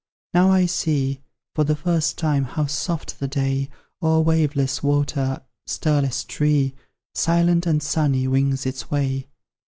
Now, I see, For the first time, how soft the day O'er waveless water, stirless tree, Silent and sunny, wings its way.